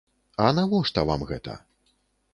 А навошта вам гэта?